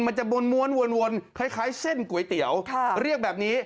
มันจะม้วนคล้ายเส้นก๋วยเตี๋ยวเรียกแบบนี้